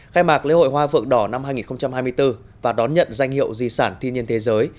khai mạc lễ hội hoa vượng đỏ năm hai nghìn hai mươi bốn và đón nhận danh hiệu di sản thiên nhiên thế giới